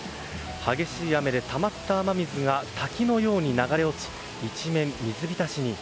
激しい雨でたまった雨水が滝のように流れ落ち一面、水浸しに。